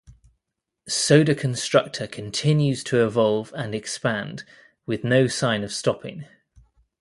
Sodaconstructor continues to evolve and expand, with no sign of stopping.